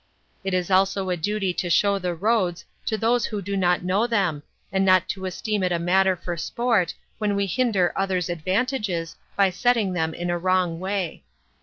31. It is also a duty to show the roads to those who do not know them, and not to esteem it a matter for sport, when we hinder others' advantages, by setting them in a wrong way.